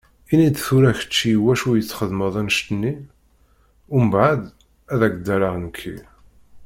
Ini-d tura kečči iwacu i txedmeḍ annect-nni, umbaɛed ad ak-d-rreɣ nekki.